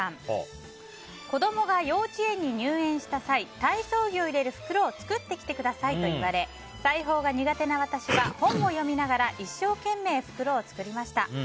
子供が幼稚園に入園した際体操着を入れる袋を作ってきてくださいと言われ裁縫が苦手な私は本を読みながら一生懸命、袋を作りました。